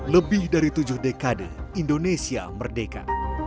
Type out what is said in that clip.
lebih dari tujuh dekade indonesia merdeka